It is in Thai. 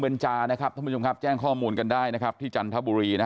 เบนจานะครับเป็นชมแจ้งข้อมูลกันได้นะครับที่จันทบุรีนะ